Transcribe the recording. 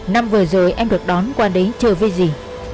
năm vừa rồi em được đón qua đấy chơi với gì